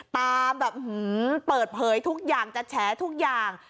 ตามแบบหืมเปิดเผยทุกอย่างจัดแชร์ทุกอย่าง